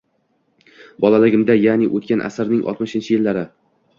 Bolaligimda, ya’ni o‘tgan asrning oltmishinchi yillari.